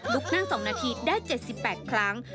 นั่ง๒นาทีได้๗๘ครั้ง